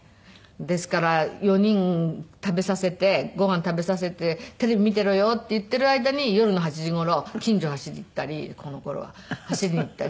ですから４人食べさせてご飯食べさせて「テレビ見ていろよ」って言っている間に夜の８時頃近所へ走りに行ったりこの頃は走りに行ったり。